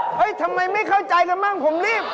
เฮ่ยทำไมไม่เข้าใจกันบ้างผมรีบ